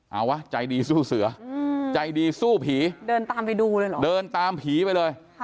เอาวะใจดีสู้เสือใจดีสู้ผีเดินตามผีไปเลย